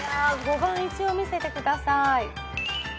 ５番一応見せてください。